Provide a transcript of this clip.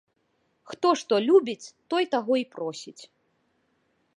Хто што любіць, той таго і просіць.